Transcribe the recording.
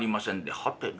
「はてな。